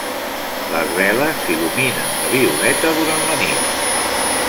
Les veles s'il·luminen de violeta durant la nit.